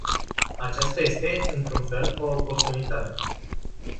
Aceasta este, într-un fel, o oportunitate.